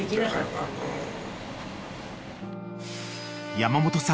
［山本さん